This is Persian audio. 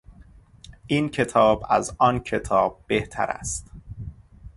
این کتاب از آن کتاب بهتر است.